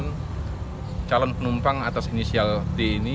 jika tidak pelaku akan melakukan penumpang di atas inisial d